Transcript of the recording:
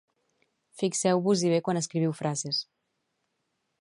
fixeu-vos-hi bé quan escriviu frases